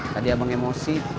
tadi abang emosi